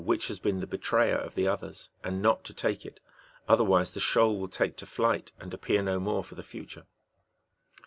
which has been the betrayer of the others, and not to take it, otherwise the shoal will take to flight, and appear no more for the future.